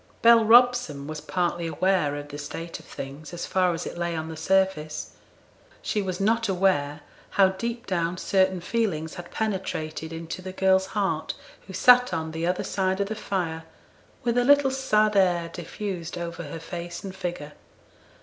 Bell Robson was partly aware of the state of things, as far as it lay on the surface. She was not aware how deep down certain feelings had penetrated into the girl's heart who sat on the other side of the fire, with a little sad air diffused over her face and figure.